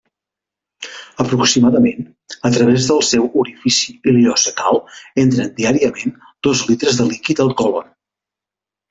Aproximadament, a través del seu orifici ileocecal entren diàriament dos litres de líquid al còlon.